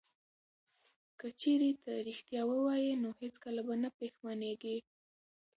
که چیرې ته ریښتیا ووایې نو هیڅکله به نه پښیمانیږې.